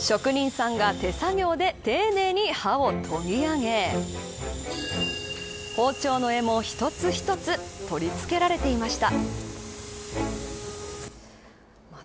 職人さんが手作業で丁寧に刃を研ぎ上げ包丁の柄も一つ一つ取り付けられていました。